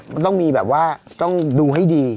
มันต้องมีแบบว่าต้องดูให้ดี